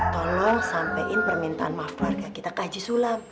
tolong sampein permintaan maaf keluarga kita ke haji sulam